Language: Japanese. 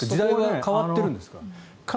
時代は変わってるんですか。